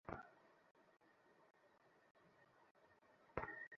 এই মন্ত্রযুক্ত চরণ-বন্ধনীটা দিশা বাতলে দেবে।